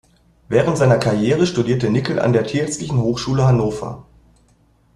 Während seiner Karriere studierte Nickel an der Tierärztlichen Hochschule Hannover.